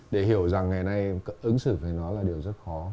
để hiểu rằng ngày nay ứng xử với nó là điều rất khó